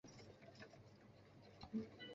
本游戏是一个纵向卷轴清版射击游戏。